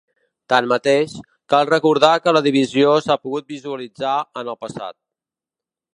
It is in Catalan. Tanmateix, cal recordar que la divisió s’ha pogut visualitzar en el passat.